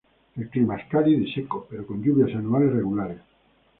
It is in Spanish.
El clima es cálido y seco, pero con lluvias anuales regulares.